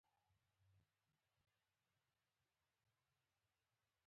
اندېښنه یې دا وه چې اولادونه به یې ورک شي.